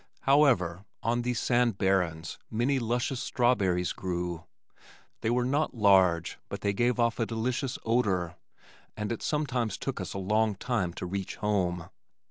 However, on these sand barrens many luscious strawberries grew. They were not large, but they gave off a delicious odor, and it sometimes took us a long time to reach home.